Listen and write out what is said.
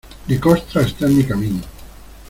Necoxtla está en mi camino.